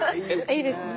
いいですね。